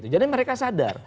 jadi mereka sadar